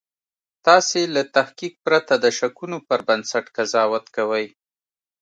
تاسې له تحقیق پرته د شکونو پر بنسټ قضاوت کوئ